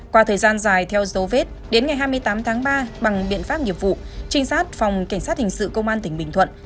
qua thời gian dài theo dấu vết đến ngày hai mươi tám tháng ba bằng biện pháp nghiệp vụ trinh sát phòng cảnh sát hình sự công an tỉnh bình thuận